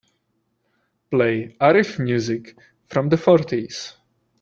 Play Arif music from the fourties.